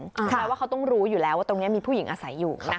แปลว่าเขาต้องรู้อยู่แล้วว่าตรงนี้มีผู้หญิงอาศัยอยู่